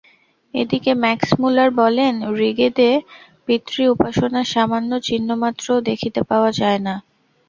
এদিকে ম্যাক্সমূলার বলেন, ঋগ্বেদে পিতৃ-উপাসনার সামান্য চিহ্নমাত্রও দেখিতে পাওয়া যায় না।